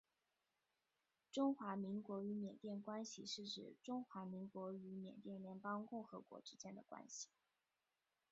中华民国与缅甸关系是指中华民国与缅甸联邦共和国之间的关系。